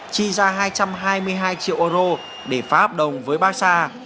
chi ra hai trăm hai mươi hai triệu euro để phá hợp đồng với basa